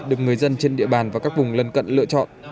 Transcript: được người dân trên địa bàn và các vùng lân cận lựa chọn